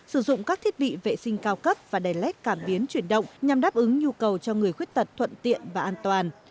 sử dụng các thiết bị vệ sinh cao cấp và đèn led cảm biến chuyển động nhằm đáp ứng nhu cầu cho người khuyết tật thuận tiện và an toàn